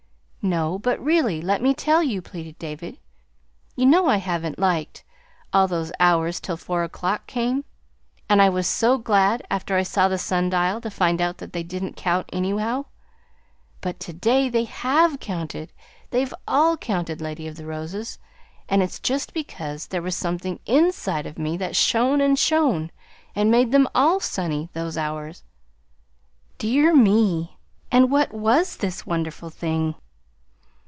"No, but really! Let me tell you," pleaded David. "You know I haven't liked them, all those hours till four o'clock came, and I was so glad, after I saw the sundial, to find out that they didn't count, anyhow. But to day they HAVE counted they've all counted, Lady of the Roses; and it's just because there was something inside of me that shone and shone, and made them all sunny those hours." "Dear me! And what was this wonderful thing?"